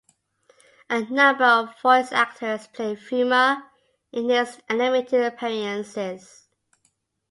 A number of voice actors played Fuma in his animated appearances.